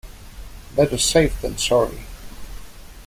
Better safe than sorry.